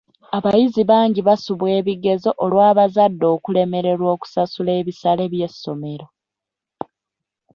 Abayizi bangi basubwa ebigezo olw'abazadde okulemererwa okusasula ebisale by'essomero.